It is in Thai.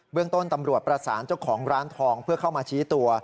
เรื่องต้นตำรวจประสานเจ้าของร้านทองเพื่อเข้ามาชี้ตัว